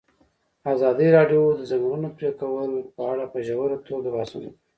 ازادي راډیو د د ځنګلونو پرېکول په اړه په ژوره توګه بحثونه کړي.